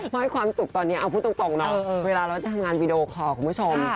เพราะให้ความสุขตอนนี้เอาพูดตรงเนาะเวลาเราจะทำงานวีดีโอคอร์คุณผู้ชม